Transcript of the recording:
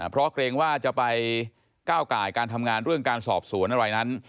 เพราะเกรงว่าจะไปก้าวไก่การทำงานเรื่องการสอบสวนอะไรนั้น